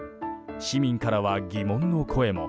市民からは疑問の声も。